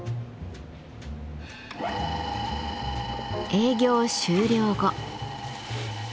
営業終了後。